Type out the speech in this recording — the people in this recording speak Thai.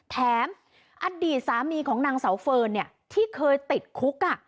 แถมอดีตสามีของนางเสาเฟิร์นที่เคยติดคุก